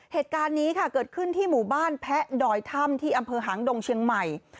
เหตุการณ์นี้ค่ะเกิดขึ้นที่หมู่บ้านแพะดอยถ้ำที่อำเภอหางดงเชียงใหม่